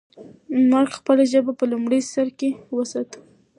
مګر خپله ژبه په لومړي سر کې وساتو.